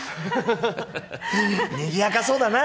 にぎやかそうだなあ。